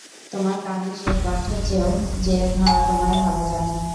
তোমার কানের সেই কণ্ঠের চেয়েও যে তোমায় ভালো জানে।